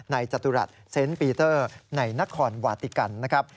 จตุรัสเซนต์ปีเตอร์ในนครวาติกันนะครับ